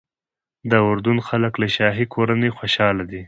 د اردن خلک له شاهي کورنۍ خوشاله دي.